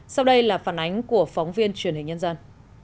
sau đây là phản ánh của phóng viên truyền hình nhân dân